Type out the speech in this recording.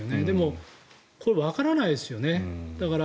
でも、わからないですよね。